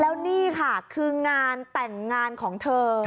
แล้วนี่ค่ะคืองานแต่งงานของเธอ